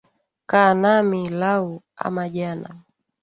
Kaa nami lau ama jana